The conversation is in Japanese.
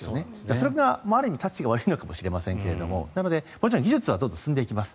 それがある意味たちが悪いのかもしれませんもちろん技術は進んでいきます。